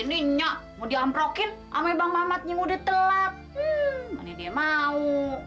ini nyak mau diamprokin ama bang mamat yang udah telat mana dia mau